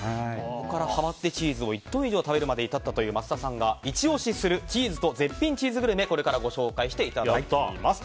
ここからハマってチーズを１トンまで食べるに至った桝田さんがイチ押しするチーズと絶品チーズグルメをこれからご紹介していただきます。